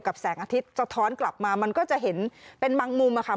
แสงอาทิตย์สะท้อนกลับมามันก็จะเห็นเป็นบางมุมอะค่ะ